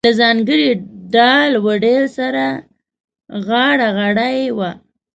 له ځانګړي ډال و ډیل سره غاړه غړۍ وه.